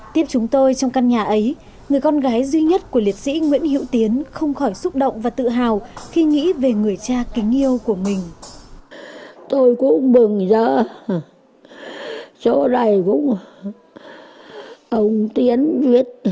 tiếp chúng tôi trong căn nhà ấy người con gái duy nhất của liệt sĩ nguyễn hữu tiến không khỏi xúc động và tự hào khi nghĩ về người cha kính yêu của mình